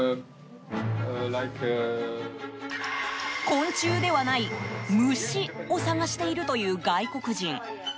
昆虫ではない「ムシ」を探しているという外国人。